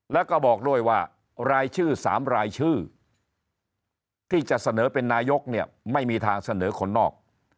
แล้วก็บอกด้วยว่ารายชื่อ๓รายชื่อที่จะเสนอเป็นนายกเนี่ยไม่มีทางเสนอคนนอก